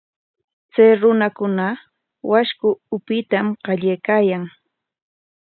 Chay runakuna washku upyayta qallaykaayan.